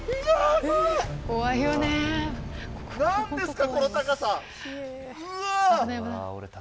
何ですか、この高さ！